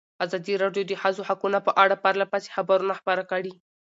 ازادي راډیو د د ښځو حقونه په اړه پرله پسې خبرونه خپاره کړي.